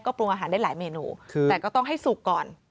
ปรุงอาหารได้หลายเมนูแต่ก็ต้องให้สุกก่อน